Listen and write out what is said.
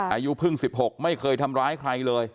อายุเพิ่ง๑๖ไม่เคยทำร้ายใครเลย